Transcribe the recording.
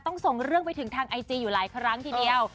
ส่งเรื่องไปถึงทางไอจีอยู่หลายครั้งทีเดียว